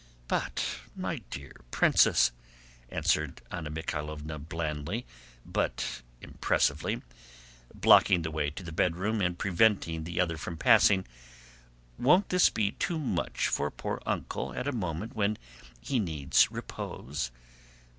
"But, my dear princess," answered Anna Mikháylovna blandly but impressively, blocking the way to the bedroom and preventing the other from passing, "won't this be too much for poor Uncle at a moment when he needs repose?